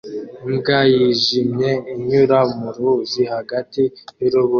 Imbwa yijimye inyura mu ruzi hagati yurubura